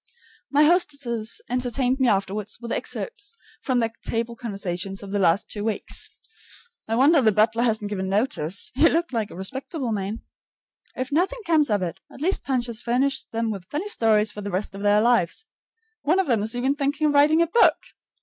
My hostesses entertained me afterward with excerpts from their table conversations of the last two weeks. (I wonder the butler hasn't given notice; he looked like a respectable man.) If nothing more comes of it, at least Punch has furnished them with funny stories for the rest of their lives. One of them is even thinking of writing a book.